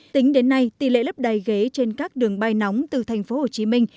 tính đến nay tỷ lệ lấp đầy ghế trên các đường bay nóng từ thành phố hồ chí minh